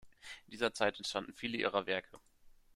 In dieser Zeit entstanden viele ihrer Werke.